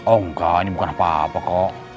oh enggak ini bukan apa apa kok